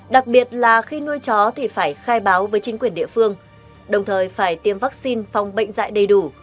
đặc biệt là khi nuôi chó thì phải khai báo với chính quyền địa phương đồng thời phải tiêm vaccine phòng bệnh dạy đầy đủ